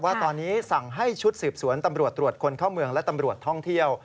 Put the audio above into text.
ว่าตอนนี้สั่งให้ชุดสืบสวนตำรวจตรวจคนเข้าเมืองและตำรวจท่องเที่ยว